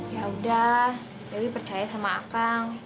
sudahlah dewi percaya pada saya